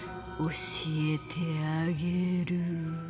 教えてあげる。